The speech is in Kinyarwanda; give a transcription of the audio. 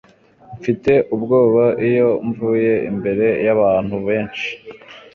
Mfite ubwoba iyo mvuze imbere yabantu benshi.